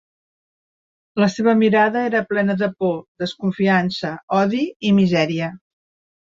La seva mirada era plena de por, desconfiança, odi i misèria.